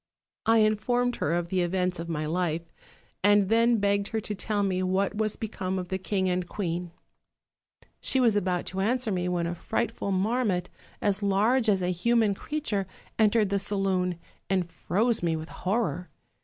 I informed her of the events of my life, and then begged her to tell me what was become of the king and queen. 306 OLD, OLD FAIRY TALES. "She was about to answer me when a frightful mar mot, as large as a human creature, entered the saloon, and froze me with horror.